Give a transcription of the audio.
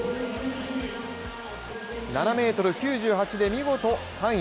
７ｍ９８で見事３位。